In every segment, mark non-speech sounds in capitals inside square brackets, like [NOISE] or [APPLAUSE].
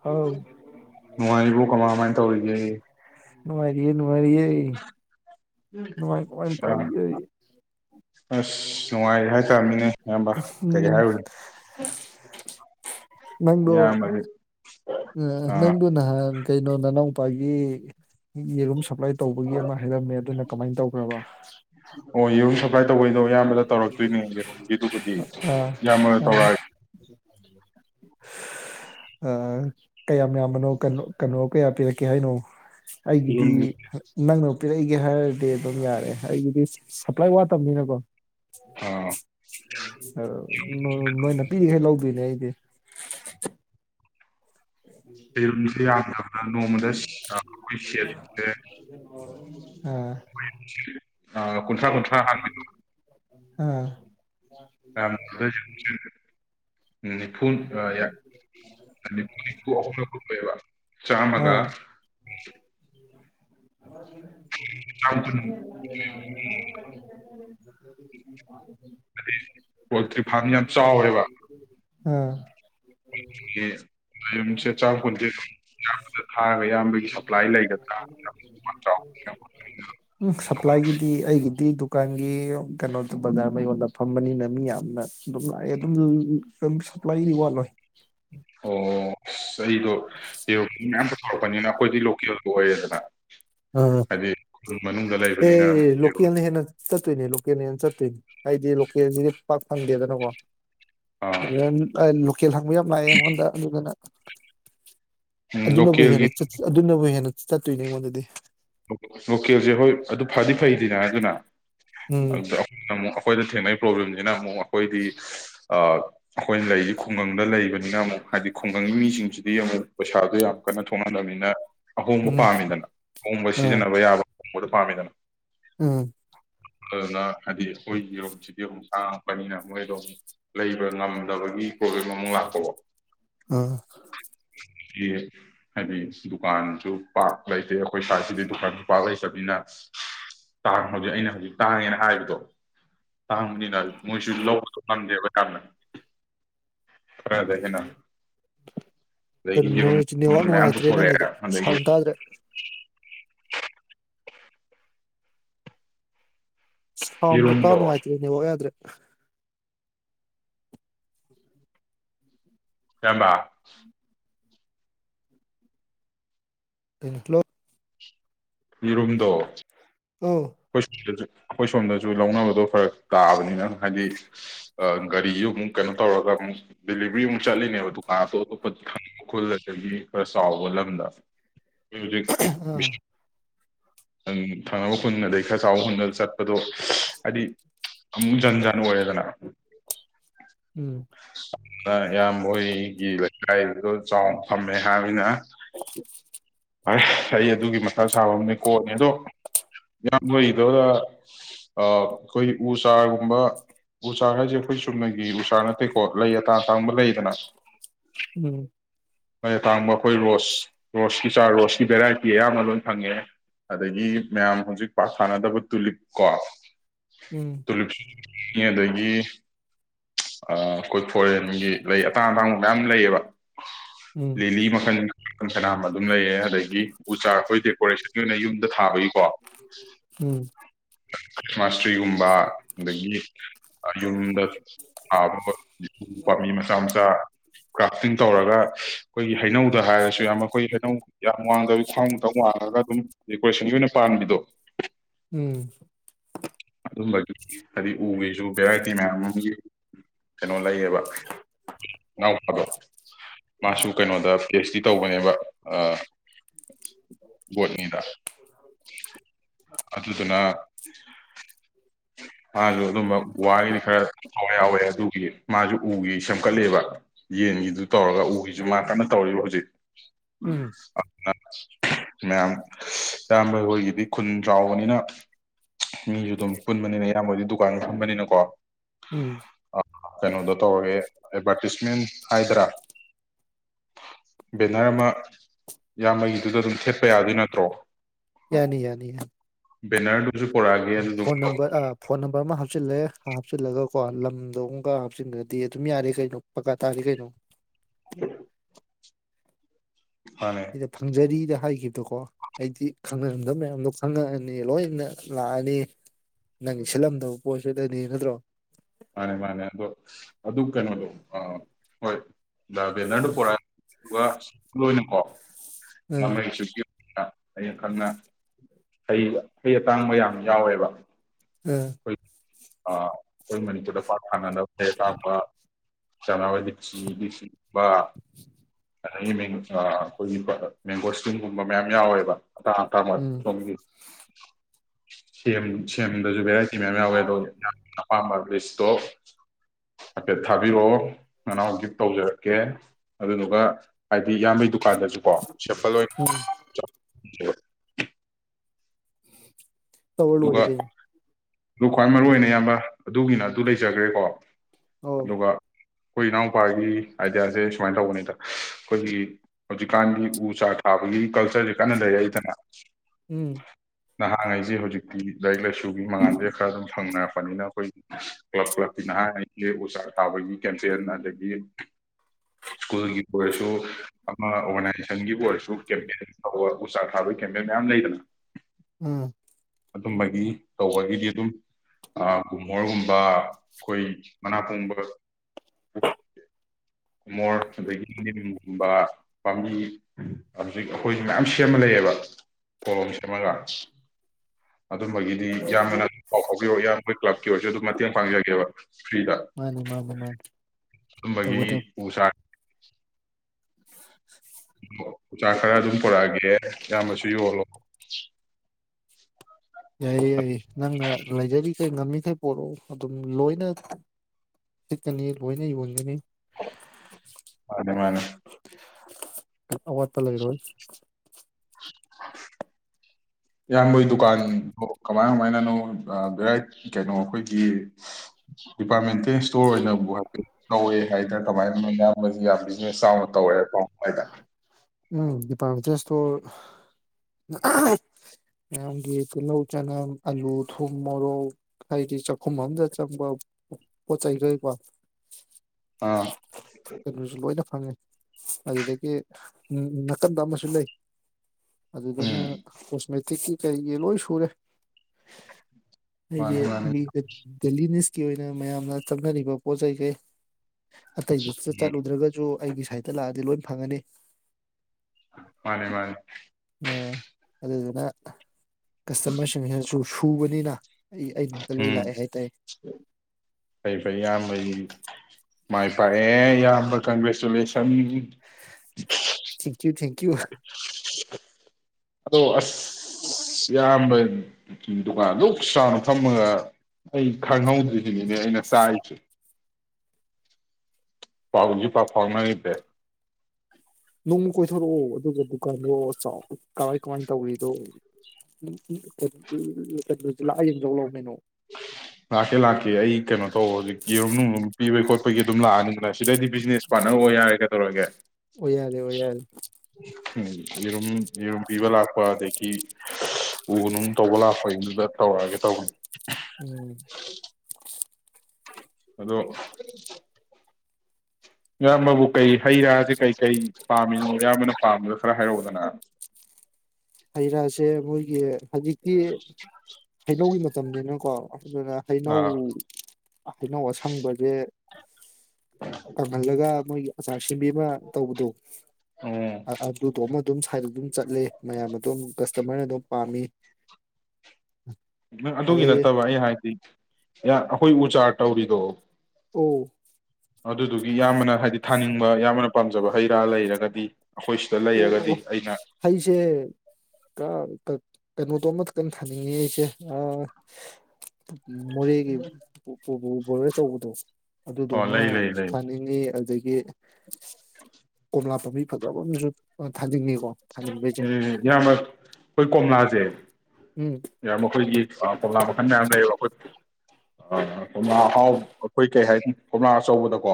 ꯑꯥꯎ ꯅꯨꯡꯉꯥꯏꯔꯤꯕꯣ ꯀꯃꯥꯏ ꯀꯃꯥꯏ ꯇꯧꯔꯤꯒꯦ ꯅꯨꯡꯉꯥꯏꯔꯤꯌꯦ ꯅꯨꯉꯥꯏꯔꯤꯌꯦ ꯅꯨꯡꯉꯥꯢ ꯀꯃꯥꯏ ꯏꯌꯥꯝ ꯄꯥꯟꯒꯦ ꯑꯁ ꯅꯨꯡꯉꯥꯏꯔꯤ ꯍꯥꯏꯇꯥꯥꯕꯅꯤꯅꯦ ꯏꯌꯥꯝꯕ ꯀꯩ ꯎꯝ ꯍꯥꯏꯔꯨꯅꯤ ꯅꯪꯗꯣ ꯏꯌꯥꯝꯕꯗꯤ ꯑꯥ ꯅꯪꯗꯣ ꯅꯍꯥꯟ ꯀꯩꯅꯣ ꯅꯅꯥꯎꯄꯥꯒꯤ ꯌꯦꯔꯨꯝ ꯁꯄ꯭ꯂꯥꯏ ꯇꯧꯕꯒꯤ ꯑꯃ ꯍꯥꯏꯔꯝꯃꯦ ꯑꯗꯨꯅ ꯀꯃꯥꯏꯅ ꯇꯧꯈ꯭ꯔꯕ ꯑꯣ ꯌꯦꯎ ꯁꯄꯥꯏ ꯇꯧꯕꯣꯏꯗꯣ ꯑꯌꯥꯝꯕꯗ ꯇꯧꯔꯛꯇꯣꯏꯅꯦ ꯂꯩꯔꯝꯒꯤ ꯑꯗꯨꯕꯨꯗꯤ ꯑꯥ ꯏꯌꯥꯝꯕ ꯑꯥ ꯇꯧꯔꯛꯑꯒꯦ ꯑ ꯀꯌꯥꯝ ꯌꯥꯝꯕꯅꯣ ꯀꯩꯅꯣ ꯀꯌꯥ ꯄꯤꯔꯛꯀꯦ ꯍꯥꯏꯅꯣ ꯑꯩꯒꯤꯗꯤ ꯌꯦꯔꯨꯝ ꯅꯪꯅ ꯄꯤꯔꯛꯏꯒꯦ ꯍꯥꯏꯔꯗꯤ ꯑꯗꯨꯝ ꯌꯥꯔꯦ ꯑꯩꯒꯤꯗꯤ ꯁꯄ꯭ꯂꯥꯏ ꯋꯥꯠꯇꯕꯅꯤꯅꯀꯣ ꯑꯥ ꯅꯣꯏꯅ ꯄꯤꯔꯤꯈꯩ ꯂꯧꯕꯤꯔꯤ ꯗꯤ ꯂꯩꯔꯨꯝꯁꯦ ꯌꯥꯝꯗꯕꯗ ꯅꯣꯡꯃꯗ ꯑꯩꯈꯣꯏ ꯁꯦꯠꯁꯦ ꯎꯝ ꯑ ꯀꯨꯊꯥ ꯀꯨꯊꯥ ꯍꯥꯏ ꯑꯝ ꯀ ꯂꯤꯐꯨ ꯑꯐꯨꯐꯨꯕ ꯆꯥꯃꯒ ꯑꯥ [INAUDIBLE] ꯎ [INAUDIBLE] ꯄꯣꯜꯇ꯭ꯔꯤ ꯐꯥꯔꯝ ꯌꯥꯝ ꯆꯥꯎꯔꯦꯕ ꯑꯝ ꯨꯝꯁꯦ ꯆꯥꯡ ꯀꯨꯟꯁꯦ ꯑꯗꯨꯌꯥꯝꯕꯗ ꯊꯥꯔꯒ ꯏꯌꯥꯝꯕꯒꯤ ꯁꯄ꯭ꯂꯥꯏ ꯂꯩꯒꯗ꯭ꯔꯥ ꯌꯥꯝ ꯆꯥꯎ ꯎꯝ ꯁꯄ꯭ꯂꯥꯏꯒꯤꯗꯤ ꯑꯩꯒꯤꯗꯤ ꯗꯨꯀꯥꯟꯒꯤ ꯀꯩꯅꯣꯗ ꯕꯖꯥꯔ ꯃꯉꯣꯟꯗ ꯐꯝꯕꯅꯤꯅ ꯃꯤ ꯌꯥꯝꯅ ꯑꯗꯨꯝ ꯂꯥꯛꯑꯦ ꯑꯗꯨꯝ ꯑꯗꯨꯝ ꯁꯄ꯭ꯂꯥꯏꯗꯤ ꯋꯥꯠꯂꯣꯏ ꯑꯣ ꯑꯩꯗꯣ ꯇꯧꯔꯛꯄꯅꯤꯅ ꯑꯩꯈꯣꯏꯗꯤ ꯂꯣꯀꯦꯜꯗꯣ ꯑꯣꯏꯌꯦꯦꯗꯅ ꯑꯥ ꯂꯩꯕꯅꯤꯅ ꯑꯦ ꯌꯦꯔꯨꯝ ꯂꯣꯀꯦꯜꯅ ꯍꯦꯟꯅ ꯆꯠꯇꯣꯏꯅꯦ ꯂꯣꯀꯦꯜꯅ ꯍꯦꯟꯅ ꯆꯠꯇꯣꯏꯅꯦ ꯍꯥꯏꯗꯤ ꯂꯣꯀꯦꯜꯁꯤꯗꯤ ꯄꯥꯛ ꯐꯪꯗꯦꯗ ꯀꯣ ꯑꯥ ꯂꯣꯀꯦꯜ ꯍꯪꯕ ꯌꯥꯝ ꯃꯥꯛꯌꯦ ꯑꯩꯉꯣꯟꯗ ꯑꯗꯨꯗꯨꯅ ꯎꯝ ꯑꯗꯨꯅꯕꯨ ꯍꯦꯟꯅ ꯂꯣꯀꯦꯜꯒꯤ ꯆꯠ ꯑꯗꯨꯅꯕꯨ ꯍꯦꯟꯅ ꯆꯠꯇꯨꯣꯏꯅꯦꯉꯣꯟꯗꯗꯤ ꯂꯣꯀꯦꯜꯁꯦ ꯍꯣꯏ ꯑꯗꯨ ꯐꯗꯤ ꯐꯩꯗꯤꯅꯦ ꯑꯗꯨꯅ ꯎꯝ ꯑꯗꯨ ꯑꯩꯈꯣꯏꯗ ꯊꯦꯡꯅꯩ ꯄꯣ꯭ꯂꯦꯝꯁꯤꯅ ꯑꯃꯨꯛ ꯍꯣꯏꯗꯤ ꯑꯩꯈꯣꯏꯅ ꯂꯩꯔꯤ ꯈꯨꯡꯒꯪꯗ ꯂꯩꯕꯅꯤꯅ ꯑꯃꯨꯛ ꯍꯥꯏꯗꯤ ꯈꯨꯡꯒꯪꯒꯤ ꯃꯤꯁꯤꯡꯁꯤꯗꯤ ꯑꯃꯨꯛ ꯄꯩꯁꯥꯗꯣ ꯌꯥꯝ ꯀꯟꯅ ꯊꯣꯛꯍꯟꯂꯕꯅꯤꯅ ꯑꯍꯣꯡꯕ ꯎꯝ ꯄꯥꯝꯃꯤꯗꯅ ꯑꯍꯣꯡꯕ ꯑꯥ ꯁꯤꯖꯤꯟꯅꯕ ꯌꯥꯕ ꯐꯥꯝꯗꯅ ꯎꯝ ꯑꯗꯨꯅ ꯍꯥꯏꯗꯤ ꯑꯩꯈꯣꯏ ꯌꯦꯔꯣꯁꯤꯗꯤ ꯑꯃꯝꯛ ꯍꯥꯡꯉꯛꯄꯅꯤꯅ ꯃꯣꯏꯗꯣ ꯑꯗꯨꯝ ꯂꯩꯕ ꯉꯝꯗꯕꯒꯤ ꯄ꯭ꯔꯣꯕ꯭ꯂꯦꯝ ꯑꯃꯨꯛ ꯂꯥꯛꯄꯧꯕ ꯑ ꯍꯥꯏꯗꯤ ꯗꯨꯀꯥꯟꯁꯨ ꯄꯥꯛꯄ ꯂꯩꯇꯦ ꯑꯩꯈꯣꯏ ꯁꯥꯏꯠꯁꯤꯗꯤ ꯗꯨꯀꯥꯟꯁꯨ ꯄꯥꯛꯄ ꯂꯩꯇꯕꯅꯤꯅ ꯇꯥꯡ ꯍꯧꯖꯤꯛ ꯑꯩꯅ ꯍꯧꯖꯤꯛ ꯇꯥꯡꯉꯦꯅ ꯍꯥꯏꯕꯗꯣ ꯇꯥꯡꯕꯅꯤꯅ ꯃꯣꯏꯁꯨ ꯂꯧꯕꯁꯨ ꯉꯝꯗꯦꯕ ꯌꯥꯝꯅ ꯈꯔꯗ ꯍꯦꯟꯅ ꯑꯗꯒꯤ ꯀꯩꯅꯣ ꯌꯦꯔꯨꯝ ꯅꯦꯋꯥꯛ ꯃꯌꯥꯝ ꯅꯨꯡꯉꯥꯏꯇ꯭ꯔꯦ ꯅꯪꯒꯤꯗꯣ ꯄꯨꯊꯣꯔꯛꯑꯦ ꯑꯗꯒꯤ ꯁꯥꯎꯟ ꯇꯥꯗ꯭ꯔꯦ ꯍ ꯌꯦꯔꯨꯝꯗꯣ ꯇꯥꯟꯅꯨꯡꯉꯥꯏꯇꯔꯤꯅꯤ ꯌꯥꯗ꯭ꯔꯦ [INAUDIBLE] ꯆꯝꯕ ꯀꯅꯤꯂꯣ ꯌꯦꯔꯨꯝꯗꯣ ꯑꯧ ꯀꯁ ꯑꯩꯈꯣꯏ ꯁꯣꯝꯗꯁꯨ ꯂꯧꯅꯕꯗꯣ ꯐꯔꯛ ꯇꯥꯕꯅꯤꯅ ꯍꯥꯏꯗꯤ ꯒꯥꯔꯤꯁꯨ ꯑꯃꯨꯛ ꯀꯩꯅꯣ ꯇꯧꯔꯒ ꯑꯃꯨꯛ ꯗꯦꯂꯤꯚꯔꯤ ꯑꯃꯨꯛ ꯆꯠꯂꯤꯅꯦꯕ ꯗꯨꯀꯥꯟ ꯑꯇꯣꯞ ꯑꯇꯣꯞꯄ ꯊꯪ ꯈꯨꯜ ꯑꯗꯒꯤ ꯈꯔ ꯆꯥꯎꯕ ꯂꯝꯗ ꯎꯝ ꯑꯥ ꯎꯪ ꯊꯥꯡꯅꯕ ꯈꯨꯨꯟ ꯑꯗꯩ ꯈꯔ ꯆꯥꯎ ꯍꯨꯟꯗ ꯆꯠꯄꯗꯣ ꯍꯥꯏꯗꯤ ꯑꯃꯨꯛ ꯖꯟ ꯖꯟ ꯑꯣꯏꯔꯦꯗꯅ ꯎꯝ ꯏꯌꯥꯝꯕꯣꯏꯒꯤ ꯂꯩꯀꯥꯏꯗꯨꯗꯣ ꯆꯥꯎꯅ ꯐꯝꯃꯦ ꯍꯥꯏꯅꯤꯅ ꯑ ꯑꯩ ꯑꯗꯨꯒꯤ ꯃꯇꯊꯥ ꯁꯥꯕ ꯑꯃꯅꯦ ꯀꯣꯠꯅꯦ ꯑꯗꯣ ꯌꯥꯝ ꯂꯣꯏꯔꯤꯗꯕꯗ ꯑꯩꯈꯣꯏ ꯎ ꯆꯥꯔꯒꯨꯝꯕ ꯎ ꯆꯥꯔ ꯍꯥꯏꯁꯦ ꯑꯩꯈꯣꯏ ꯆꯨꯝꯅꯒꯤ ꯎ ꯆꯥꯔ ꯅꯠꯇꯦꯀꯣ ꯂꯩ ꯑꯇꯥꯡ ꯑꯇꯥꯡꯕ ꯂꯩꯗꯅ ꯎꯝ ꯃꯅ ꯇꯥꯡꯕ ꯑꯩꯈꯣꯏ ꯔꯣꯁ ꯔꯣꯁꯀꯤ ꯆꯥꯔ ꯔꯣꯁꯀꯤ ꯚꯦꯔꯥꯏꯇꯤ ꯑꯌꯥꯝꯕ ꯂꯣꯏ ꯐꯪꯉꯦ ꯑꯗꯒꯤ ꯃꯌꯥꯝ ꯍꯧꯖꯤꯛ ꯁꯥꯟꯅꯗꯕ ꯇꯨꯂꯤꯞ ꯀꯣ ꯎꯝ ꯇꯅ ꯌꯦ ꯑꯗꯨꯗꯒꯤ ꯑꯩꯈꯣꯏ ꯐꯣꯔꯦꯟꯒꯤ ꯂꯩ ꯑꯇꯥꯡ ꯑꯇꯥꯡꯕ ꯃꯌꯥꯝ ꯂꯩꯌꯦꯕ ꯎꯝ ꯂꯦꯂꯤ ꯃꯀꯟ ꯀꯅꯥ ꯑꯃ ꯑꯗꯨꯝ ꯂꯩꯌꯦ ꯑꯗꯒꯤ ꯎ ꯆꯥ ꯑꯩꯈꯣꯏ ꯗꯦꯀꯣꯔꯦꯁꯟꯒꯤ ꯑꯣꯏꯅ ꯌꯨꯝꯗ ꯊꯥꯕꯒꯤ ꯎꯝ ꯈ꯭ꯔꯤꯁꯃꯥꯁ ꯇ꯭ꯔꯤꯒꯨꯝꯕ ꯑꯗꯒꯤ ꯌꯨꯝꯗ ꯊꯥꯕꯣꯐ ꯄꯥꯝꯕꯤ ꯃꯆꯥ ꯃꯆꯥ ꯀ꯭ꯔꯥꯐꯇꯤꯡ ꯇꯧꯔꯒ ꯑꯩꯈꯣꯏꯒꯤ ꯍꯩꯅꯧꯗ ꯍꯥꯏꯔꯁꯨ ꯌꯥꯝ ꯑꯩꯈꯣꯏ ꯍꯩꯅꯧ ꯌꯥꯝ ꯋꯥꯡꯗꯕꯤ ꯊꯥꯎꯇꯪ ꯋꯥꯡꯉꯒ ꯑꯗꯨꯝ ꯗꯦꯀꯣꯔꯦꯁꯟꯒꯤ ꯑꯣꯏꯅ ꯄꯕꯤꯗꯣ ꯎꯝ ꯑꯗꯨꯝꯕꯒꯤ ꯍꯥꯏꯗꯤ ꯎꯒꯤꯁꯨ ꯚꯦꯔꯥꯏꯇꯤ ꯃꯌꯥꯝ ꯑꯃꯒꯤ ꯀꯩꯅꯣ ꯂꯩꯌꯦꯕ ꯉꯥꯎꯄꯥꯗꯣ ꯃꯥꯁꯨ ꯀꯩꯅꯣꯗ ꯄꯤ ꯑꯩꯩꯆ ꯗꯤ ꯇꯧꯕꯅꯦꯕ ꯕꯣꯔꯠꯅꯤꯗ ꯑꯗꯨꯗꯨꯅ [UNINTELLIGIBLE] ꯌꯥꯎꯋꯦ ꯑꯗꯨꯒꯤ ꯃꯥꯁꯨ ꯎꯒꯤ ꯁꯦꯝꯒꯠꯂꯦꯕ ꯌꯦꯟꯒꯤꯗꯨ ꯇꯧꯔꯒ ꯎꯒꯤꯁꯨ ꯃꯥ ꯀꯟꯅ ꯇꯧꯔꯤꯕ ꯍꯧꯖꯤꯛ꯫ [INAUDIBLE] ꯎꯝ ꯃꯌꯥꯝ ꯏꯌꯥꯝꯕ ꯑꯩꯈꯣꯏꯒꯤꯗꯤ ꯈꯨꯟ ꯆꯥꯎꯕꯅꯤꯅ ꯃꯤꯁꯨ ꯑꯗꯨꯝ ꯄꯨꯟꯕꯅꯤꯅ ꯏꯌꯥꯝꯕꯗꯤ ꯗꯨꯀꯥꯟꯁꯨ ꯐꯟꯕꯅꯤꯅꯀꯣ ꯎꯝ꯫ ꯀꯩꯅꯣꯗꯣ ꯇꯧꯔꯒꯦ ꯑꯦꯚꯔꯇꯤꯁꯃꯦꯟ ꯍꯥꯏꯗ꯭ꯔꯥ ꯕꯦꯅꯔ ꯑꯃ ꯏꯌꯥꯝꯕꯒꯤꯗꯨꯗ ꯑꯗꯨꯝ ꯊꯦꯠꯄ ꯌꯥꯗꯣꯏ ꯅꯠꯇ꯭ꯔꯣ? ꯌꯥꯅꯤ ꯌꯥꯅꯤ ꯌꯥꯅꯤ ꯕ ꯑꯦꯅꯦꯔ ꯐꯣꯟ ꯅꯝꯕꯔ ꯐꯣꯟ ꯅꯝꯕꯔ ꯑꯃ ꯍꯥꯞꯆꯤꯜꯂꯦ ꯍꯥꯞꯆꯤꯜꯂꯒ ꯀꯣ ꯂꯝꯗꯣ ꯑꯃꯨꯛꯀ ꯍꯥꯞꯆꯤꯟꯈ꯭ꯔꯗꯤ ꯑꯗꯨꯝ ꯌꯥꯔꯦ ꯀꯩꯅꯣ ꯄꯀꯥ ꯇꯥꯔꯦ ꯀꯩꯅꯣ꯫ [INAUDIBLE] ꯃꯥꯅꯦ ꯁꯤꯗ ꯐꯪꯖꯔꯤꯗ ꯍꯥꯏꯈꯤꯕꯗꯀꯣ ꯑꯩꯗꯤ ꯈꯪꯉꯝꯗꯕ ꯃꯌꯥꯝꯗꯣ ꯈꯪꯉꯛꯑꯅꯤ ꯂꯣꯏꯅ ꯂꯥꯛꯑꯅꯤ ꯅꯪ ꯁꯤꯜꯂꯝꯗꯕ ꯄꯣꯠꯁꯤꯗꯅꯤ ꯅꯠꯇ꯭ꯔꯣ ꯫ ꯃꯥꯅꯦ - ꯃꯥꯅꯦ ꯑꯗꯣ ꯑꯗꯨ ꯀꯩꯅꯣꯗꯣ ꯍꯣꯏ ꯕꯦꯅꯔꯗꯣ ꯄꯨꯣꯔꯛꯑ ꯑꯗꯨꯒ ꯑꯣꯏꯅꯀꯣ ꯑꯥ [UNINTELLIGIBLE] ꯑꯩꯅ ꯈꯪꯅ ꯍꯩ -ꯍꯩ ꯑꯇꯥꯡꯕ ꯌꯥꯝ ꯌꯥꯎꯋꯦꯕ꯫ ꯎꯝ꯫ ꯑ ꯑꯩꯈꯣꯏ ꯃꯅꯤꯄꯨꯔꯗ ꯄꯥꯛ ꯊꯥꯅꯗ ꯍꯩ ꯑꯇꯥꯡꯕ꯫ [UNINTELLIGIBLE] ꯕꯥ ꯑꯗꯒꯤ ꯃ ꯑꯩꯈꯣꯏꯒꯤ ꯃꯦꯡꯒꯣ ꯁ꯭ꯇꯝꯒꯨꯝꯕ ꯃꯌꯥꯝ ꯌꯥꯎꯋꯦꯕ꯫ ꯑꯇꯥꯡ - ꯑꯇꯥꯡꯕ꯫ ꯎꯝ ꯁꯦꯝ ꯁꯦꯝꯗꯖꯨ ꯃꯌꯥꯝ ꯌꯥꯎꯋꯦ ꯑꯗꯣ ꯌꯥꯝ ꯑꯄꯥꯝꯕ ꯂꯤꯁꯇꯣ ꯍꯥꯏꯐꯦꯠ ꯊꯥꯕꯤꯔꯛꯑꯣ ꯅꯥꯑꯣ ꯒꯤꯞ ꯇꯧꯖꯔꯛꯀꯦ ꯑꯗꯨꯗꯨꯒ ꯍꯥꯏꯗꯤ ꯏꯌꯥꯝꯕꯩꯗꯨ ꯀꯥꯟꯗꯁꯨꯀꯣ ꯁꯤꯝꯄꯜ ꯑꯣꯏꯅ ꯎꯝ [INAUDIBLE] ꯇꯧꯔ ꯂꯣꯏꯔꯦ ꯑꯗꯨꯒ ꯀꯩꯅꯣ ꯫ ꯑꯗꯨ ꯈ꯭ꯋꯥꯏ ꯃꯔꯨ ꯑꯣꯏꯅ ꯏꯌꯥꯝꯕ ꯑꯗꯨꯒꯤꯅ ꯑꯗꯨ ꯂꯩꯖꯈ꯭ꯔꯦꯀꯣ ꯑꯧ ꯑꯗꯨꯒ ꯑꯩꯈꯣꯏ ꯏꯅꯥꯎꯄꯥꯒꯤ ꯑꯥꯏꯗꯤꯌꯥꯁꯦ ꯁꯨꯃꯥꯏꯅ ꯇꯧꯕꯅꯤꯗ ꯑꯩꯈꯣꯏꯒꯤ ꯍꯧꯖꯤꯛꯀꯥꯟꯒꯤ ꯎ ꯆꯥꯔ ꯊꯥꯕꯒꯤ ꯀꯜꯆꯔꯁꯤ ꯀꯅ ꯂꯩ ꯗꯅꯥ ꯎꯝ ꯅꯍꯥ ꯑꯩꯁꯦ ꯍꯧꯖꯤꯛ ꯂꯥꯏꯔꯤꯛ ꯂꯥꯏꯁꯨꯒꯤ ꯃꯉꯥꯟꯁꯦ ꯈꯔ ꯑꯗꯨꯝ ꯐꯪꯅꯔꯛꯄꯅꯤꯅ ꯑꯩꯈꯣꯏꯒꯤ ꯀ꯭ꯂꯕ - ꯀ꯭ꯂꯕꯀꯤꯅ ꯍꯥꯏꯔꯆꯦ ꯎ ꯆꯥ ꯊꯥꯕꯒꯤ ꯀꯦꯝꯄꯦꯟ ꯑꯗꯒꯤ ꯁ꯭ꯀꯨꯜꯒꯤ ꯑꯣꯏꯔꯁꯨ ꯑꯃ ꯑꯣꯔꯒꯅꯥꯏꯖ ꯁꯟꯒꯤꯕꯨ ꯑꯣꯏꯔꯁꯨ ꯀꯦꯝꯄꯦꯦꯟ ꯐ ꯑꯣꯏ ꯎ ꯆꯥ ꯊꯥꯕꯒꯤ ꯀꯦꯝꯕꯦꯟ ꯃꯌꯥꯝ ꯂꯩꯗꯅ ꯎꯝ ꯑꯗꯨꯝꯕꯒꯤ ꯇꯧꯕꯒꯤꯗꯤ ꯑꯗꯨꯝ ꯀꯨꯃꯣꯔꯒꯨꯝꯕ ꯑꯩꯈꯣꯏ ꯃꯅꯥ ꯄꯣꯡꯕ ꯀꯨꯃꯣꯔ ꯑꯗꯒꯤꯨꯝꯒꯨꯝꯕ ꯄꯥꯝꯕꯤ ꯍꯧꯖꯤꯛ ꯑꯩꯈꯣꯏꯁꯨ ꯃꯌꯥꯝ ꯁꯦꯝꯃ ꯂꯩꯌꯦꯕ ꯀꯣꯂꯣꯝ ꯁꯦꯝꯃꯒ ꯑꯗꯨꯝꯕꯒꯤꯗꯤ ꯌꯥꯝꯕꯅ ꯑꯗꯨꯝ ꯄꯥꯎ ꯐꯥꯎꯕꯤꯔꯛꯑꯣ ꯌꯥꯝ ꯃꯣꯏ ꯀ꯭ꯂꯕꯀꯤ ꯑꯣꯏꯔꯁꯨ ꯑꯗꯨꯝ ꯃꯇꯦꯡ ꯄꯥꯡꯖꯒꯦꯕ ꯐ꯭ꯔꯤꯗ ꯃꯥꯅꯤ ꯃꯥꯅꯤ ꯃꯥꯅꯤ ꯑꯗꯨꯝꯕꯒꯤ ꯇꯧꯒꯗꯕ ꯎ ꯆꯔ [INAUDIBLE] ꯎ ꯆꯔꯥ ꯈꯔ ꯑꯗꯨꯝ ꯄꯨꯔꯛꯑꯒꯦ ꯏꯌꯥꯝꯕꯁꯨ ꯌꯣꯜꯂꯣ ꯌꯥꯏ ꯌꯦ ꯌꯥꯏ ꯌꯦ ꯅꯪꯅ ꯂꯩꯖꯔꯤꯈꯩ ꯉꯝꯃꯤꯈꯩ ꯄꯣꯔꯛꯑꯣ ꯑꯗꯨꯝ ꯂꯣꯏꯅ ꯆꯠꯀꯅꯤ ꯂꯣꯏꯅ ꯌꯣꯟꯒꯅꯤ ꯃꯥꯅꯦ ꯃꯥꯅꯦ [INAUDIBLE] ꯑꯋꯥꯠꯄ ꯂꯩꯔꯣ [INAUDIBLE] ꯏꯌꯥꯝꯕꯩ ꯗꯨꯀꯥꯟ ꯀꯃꯥꯏ ꯀꯃꯥꯏꯅꯅꯣ ꯚꯦꯔꯥꯏ ꯀꯩꯅꯣ ꯑꯩꯈꯣꯏꯒꯤ ꯗꯤꯄꯥꯔꯠꯃꯦꯟ ꯏꯁꯇꯣꯔ ꯑꯣꯏꯅꯕꯨ ꯍꯥꯞꯦ ꯀꯧꯋꯦ ꯍꯥꯏꯗꯅ ꯀꯃꯥꯏꯅ ꯑꯌꯥꯝꯕꯁꯤ ꯌꯥꯝ ꯕꯤꯖꯤꯅꯦꯁ ꯆꯥꯎꯅ ꯇꯧꯋꯦ ꯄꯥꯎ ꯑꯃꯥꯍꯥꯌꯒꯨꯝ ꯍꯥꯏꯗ ꯎꯝ ꯗꯤꯄꯥꯔꯠꯃꯦꯟꯇꯦꯜ ꯏꯁꯇꯣꯔ ꯃꯌꯥꯝꯒꯤ ꯇꯤꯜꯅꯧ ꯆꯅꯝ ꯑꯂꯨ ꯊꯨꯝ ꯃꯣꯔꯣꯛ ꯍꯥꯏꯗꯤ ꯆꯥꯛꯈꯨꯝ ꯑꯝꯗ ꯆꯪꯕ ꯄꯣꯠ ꯆꯩꯩ ꯂꯩꯀꯣ ꯑꯥ ꯐꯪꯉꯤ ꯑꯗꯨꯗꯒꯤ ꯎꯝ ꯅꯥꯀꯟ ꯇꯝꯕꯁꯨ ꯂꯩ ꯑꯗꯨꯗꯅ ꯎꯝ ꯃꯇꯤꯛꯀꯤ ꯀꯔꯤꯒꯤ ꯂꯣꯏ ꯁꯨꯔꯦ ꯑꯩꯗꯤ ꯃꯥꯅꯤ ꯃꯥꯅꯤ ꯃꯤ ꯗꯥꯢꯜꯠ ꯀꯤ ꯑꯣꯏꯅ ꯃꯌꯥꯝꯅ ꯆꯪꯅꯔꯤꯕ ꯄꯣꯠ ꯉꯥꯏ ꯑꯇꯩꯗꯨꯗ ꯎꯝ ꯆꯠꯂꯨꯗ꯭ꯔꯒꯁꯨ ꯑꯩꯒꯤ ꯁꯥꯏꯠꯇꯒꯤ ꯂꯥꯛꯑꯗꯤ ꯂꯣꯏ ꯐꯪꯉꯅꯤ ꯃꯥꯅꯦ ꯃꯥꯅꯦ ꯑꯗꯨꯗꯨꯅ ꯀꯁꯇꯕꯥꯔ ꯁꯃꯤꯅꯥꯁꯨ ꯁꯨꯕꯅꯤꯅ ꯑꯩ ꯑꯩ ꯅꯛꯇ ꯂꯣꯏ ꯎꯝ ꯂꯥꯛꯑꯦ ꯍꯥꯏꯇꯥꯔꯦ ꯐꯩ ꯐꯩ ꯏꯌꯥꯝꯕ ꯃꯥꯏ ꯄꯥꯛꯑꯦ ꯏꯌꯥꯝꯕ ꯀꯪꯒ꯭ꯔꯦꯆꯨꯂꯦꯁꯟ ꯊꯥꯟꯛ ꯎ ꯊꯟ ꯀꯌꯨ ꯑꯗꯣ ꯑꯁ ꯏꯌꯥꯝꯕ ꯗꯨꯀꯥꯟ ꯂꯛ ꯆꯥꯎꯅ ꯐꯝꯃꯒ ꯑꯩ ꯈꯪꯍꯧꯗꯦ ꯑꯩꯗꯨꯒꯤꯅꯦ ꯑꯩꯅꯥ ꯆꯥꯛꯏꯁꯦ ꯄꯥꯎꯖꯤ ꯄꯥꯛ ꯐꯥꯎꯃꯈꯤꯗꯔ꯭ꯦ ꯅꯣꯡꯃ ꯀꯣꯏꯊꯣꯔꯛꯑꯣ ꯑꯗꯨꯒ ꯗꯨꯀꯥꯟꯗꯣ ꯆꯥꯎ ꯀꯃꯥꯏ ꯀꯃꯥꯏ ꯇꯧꯔꯤꯗꯣ ꯂꯜ ꯂꯜ ꯂꯥꯛꯑ ꯌꯦꯡꯖꯧ ꯂꯥꯎ ꯀꯩꯅꯣ ꯂꯥꯛꯀꯦ ꯂꯥꯛꯀꯦ ꯑꯩ ꯀꯦꯅꯣ ꯇꯧꯕꯒꯤ ꯌꯦꯔꯨꯝ ꯅꯨꯡꯂꯨꯡ ꯄꯤꯕꯩ ꯈꯣꯠꯄꯒꯤ ꯗꯨꯝ ꯂꯥꯛꯑꯅꯤꯗꯅ ꯁꯤꯗꯩꯗꯤ ꯕꯤꯖꯤꯅꯦꯁ ꯄꯥꯠꯅꯔ ꯑꯣꯏ ꯌꯥꯔꯦ ꯀꯩꯗꯧꯔꯒꯦ ꯑꯣꯏ ꯌꯥꯔꯦ ꯑꯣꯏ ꯌꯥꯔꯦ ꯎꯝ ꯌꯦꯔꯨꯝ ꯌꯦꯔꯨꯝ ꯄꯤꯕ ꯂꯥꯛꯄ ꯑꯗꯒꯤ ꯎꯅꯨꯡ ꯇꯧꯕ ꯂꯥꯛꯄꯩꯗꯨꯗ ꯇꯧꯔꯛꯑꯒꯦ ꯇꯧꯕꯅꯤ ꯎꯝ ꯑꯗꯣ ꯏꯌꯥꯝꯕꯕꯨ ꯀꯩ ꯍꯩ ꯔꯥꯖꯦ ꯀꯩꯀꯩ ꯄꯥꯝꯃꯤꯅꯣ ꯏꯌꯥꯝꯕꯅ ꯄꯥꯝꯕꯗꯣ ꯈꯔ ꯍꯥꯏꯔꯛꯎꯗꯅ ꯍꯩ ꯔꯥꯁꯦ ꯃꯣꯏꯒꯤ ꯍꯖꯤꯛ ꯇꯤ ꯍꯩꯅꯧꯒꯤ ꯃꯠ ꯇꯝꯅꯤꯅ ꯀꯣ ꯑꯗꯨꯅ ꯍꯩꯅꯧ ꯑꯥ ꯍꯩꯅꯧ ꯑꯁꯪꯕꯖꯦ ꯀꯪꯍꯜꯂꯒ ꯃꯣꯏꯒꯤ ꯑꯆꯥꯔ ꯁꯦꯝꯕꯤ ꯑꯃ ꯇꯧꯕꯗꯣ ꯎꯝ ꯑꯑꯗꯨꯗꯣꯃꯠ ꯗꯨꯝ ꯁꯥꯏꯗ ꯗꯨꯝ ꯆꯠꯂꯦ ꯃꯌꯥꯝ ꯗꯨꯝ ꯀꯁꯇꯃꯔꯅ ꯑꯗꯨꯝ ꯄꯥꯝꯃꯤ ꯅꯪ ꯑꯗꯨꯒꯤ ꯑꯗꯩ ꯅꯠꯇꯕ ꯑꯩ ꯍꯥꯏꯕꯗꯤ ꯌꯥ ꯑꯈꯣꯏ ꯎ ꯆꯥꯔ ꯇꯧꯔꯤꯗꯣ ꯑꯧ ꯑꯗꯨꯗꯨꯒꯤ ꯌꯥꯝꯕꯅ ꯍꯥꯏꯗꯤ ꯊꯥꯅꯤꯡ ꯕ ꯏꯌꯥꯝꯕꯅ ꯄꯥꯝꯖꯕ ꯍꯩ ꯔꯥ ꯂꯩꯔꯒꯗꯤ ꯑꯩꯈꯣꯏ ꯁꯤꯗ ꯑꯣ ꯑꯣ ꯑꯣ ꯂꯩꯔꯒꯗꯤ ꯑꯩꯅ ꯍꯩꯁꯦ ꯀ ꯀꯩꯅꯣꯗꯣ ꯑꯃꯈꯇꯪ ꯊꯥꯅꯤꯡꯉꯤ ꯑꯩꯁꯦ ꯑꯥ ꯃꯣꯔꯦꯒꯤ [UNINTELLIGIBLE] ꯕꯣꯔꯣꯏ ꯑꯆꯧꯕꯗꯣ ꯑꯣ ꯑꯗꯨꯗꯣꯃ ꯂꯩ ꯂꯩ ꯂꯩ ꯊꯥꯅꯤꯡꯉꯤ ꯑꯗꯩ ꯌꯦ ꯀꯣꯝꯂꯥꯞ ꯄꯕꯤ ꯐꯖꯕꯝꯖꯨꯠ ꯑꯣ [UNINTELLIGIBLE] ꯎꯝ ꯏꯌꯥꯝꯕ ꯈꯣꯏ ꯀꯣꯝꯂꯥ [UNINTELLIGIBLE] ꯎꯝ ꯌꯥꯝ ꯑꯈꯣꯏꯒꯤ ꯑꯥ ꯀꯣꯝꯂꯥ ꯃꯈꯟ ꯃꯌꯥꯝ ꯂꯩꯑꯕ ꯑꯈꯣꯏ ꯑꯥ ꯀꯣꯝꯂꯥ ꯑꯍꯥꯎ ꯑꯈꯣꯏ ꯀꯩ ꯍꯥꯏꯅꯤ ꯀꯣꯝꯂꯥ ꯑꯆꯧꯕꯗꯀꯣ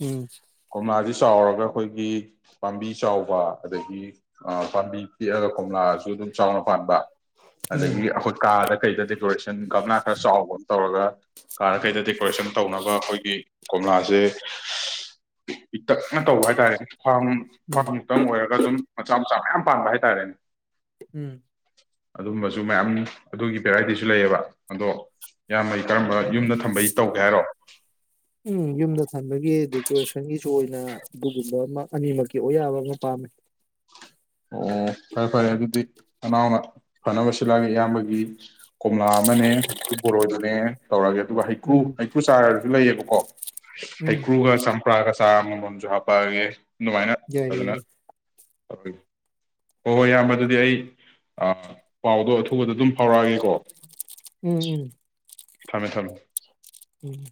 ꯎꯝ ꯀꯣꯝꯂꯥꯁꯤ ꯆꯥꯎꯔꯒ ꯑꯈꯣꯏꯒꯤ ꯄꯥꯝꯕꯤ ꯆꯥꯎꯕ ꯑꯗꯒꯤ ꯑ ꯄꯥꯝꯕꯤ ꯄꯤꯛꯑꯒ ꯀꯣꯝꯂꯥꯁꯨ ꯑꯗꯨꯝ ꯆꯥꯎꯅ ꯄꯥꯟꯕ ꯎꯝ ꯑꯗꯒꯤ ꯑꯈꯣꯏ ꯀꯥꯗ [UNINTELLIGIBLE] ꯁꯟ ꯒꯪꯉꯥ ꯈꯔ ꯆꯥꯎꯕ ꯑꯃ ꯇꯧꯔꯒ [INAUDIBLE] ꯀꯥꯔꯈꯩꯗ ꯗꯦꯀꯣꯔꯦꯁꯟ ꯇꯧꯅꯕ ꯑꯈꯣꯏ [UNINTELLIGIBLE] ꯀꯣꯝꯂꯥꯁꯦ [INAUDIBLE] ꯄꯤꯇꯛꯅ ꯇꯧꯕ ꯍꯥꯏꯇꯥꯔꯦꯅꯦ ꯐꯥꯝ ꯎꯝ ꯐꯥꯔꯝꯇꯪ ꯑꯣꯏꯔꯒ ꯑꯗꯨꯝ ꯃꯆꯥ ꯃꯆꯥ ꯃꯌꯥꯝ ꯄꯥꯟꯕ ꯍꯥꯏꯇꯥꯔꯦꯅꯦ ꯎꯝ ꯑꯗꯨꯝꯕꯁꯨ ꯃꯌꯥꯝ ꯑꯗꯨꯒꯤ ꯚꯦꯔꯥꯏꯇꯤꯁꯨ ꯂꯩꯑꯕ ꯑꯗꯣ ꯏꯌꯥꯝꯕꯩ ꯀꯔꯝꯕ ꯌꯨꯝꯗ ꯊꯝꯕꯩ ꯇꯧꯒꯦ ꯍꯥꯏꯔꯣ ꯎꯝ ꯌꯨꯝꯗ ꯊꯝꯕꯒꯤ ꯗꯦꯀꯣꯔꯦꯁꯟꯒꯤꯁꯨ ꯑꯣꯏꯅ ꯑꯗꯨꯒꯨꯝꯕ ꯑꯃ ꯑꯅꯤꯃꯛꯀꯤ ꯑꯣꯏ ꯌꯥꯕ ꯑꯃ ꯄꯥꯝꯃꯦ ꯑꯣ ꯐꯔꯦ ꯐꯔꯦ ꯑꯗꯨꯗꯤ ꯅꯅꯥꯎꯅ ꯐꯅꯕ ꯁꯤꯜꯂꯛꯑꯒꯦ ꯏꯌꯥꯝꯕꯒꯤ ꯀꯣꯝꯂꯥ ꯑꯃꯅꯦ ꯍꯧꯖꯤꯛꯇꯤ ꯕꯣꯔꯣꯏꯗꯨꯅꯦ ꯇꯧꯔꯒꯦ ꯑꯗꯨꯒ ꯍꯩꯀꯨ ꯎꯝ ꯍꯩꯀꯨ ꯆꯥꯔ ꯂꯩꯌꯦꯕꯀꯣ ꯎꯝ ꯍꯩꯀ꯭ꯔꯨꯒ ꯆꯥꯝ ꯄ꯭ꯔꯥ ꯒ ꯆꯥꯔ ꯑꯃ ꯃꯟꯖꯨ ꯍꯥꯄꯛꯑꯒꯦ ꯌꯥꯏꯌꯦ ꯃꯥꯏꯌꯦ [UNINTELLIGIBLE] ꯍꯣꯏ ꯍꯣꯏ ꯏꯌꯥꯝꯕ ꯑꯗꯨꯗꯤ ꯑꯩ ꯄꯥꯎꯗꯣ ꯑꯊꯨꯕꯗ ꯑꯗꯨꯝ ꯐꯧꯔꯛꯑꯒꯦꯀꯣ ꯎꯝ ꯎꯝ ꯊꯝꯃꯦ ꯊꯝꯃꯦ ꯎꯝ